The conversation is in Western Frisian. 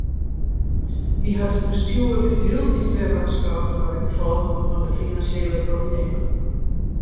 Hy hat it bestjoer hieltyd wer warskôge foar de gefolgen fan de finansjele problemen.